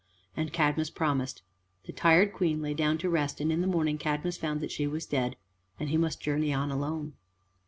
And Cadmus promised. The tired Queen lay down to rest, and in the morning Cadmus found that she was dead, and he must journey on alone.